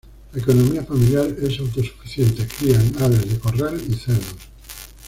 La economía familiar es auto-suficiente, crían aves de corral y cerdos.